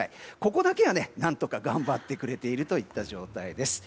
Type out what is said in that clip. ここだけは何とか頑張ってくれているといった状態です。